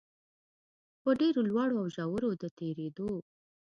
په ډېرو لوړو او ژورو د تېرېدو